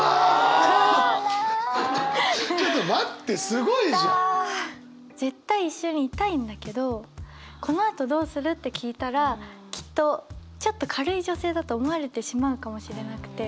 すごいじゃん！絶対一緒にいたいんだけど「この後どうする？」って聞いたらきっとちょっと軽い女性だと思われてしまうかもしれなくて。